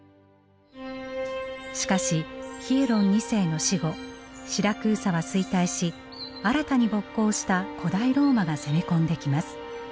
しかしヒエロン二世の死後シラクーサは衰退し新たに勃興した古代ローマが攻め込んできます。